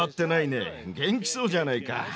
元気そうじゃないか。